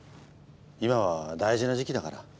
今は大事な時期だから。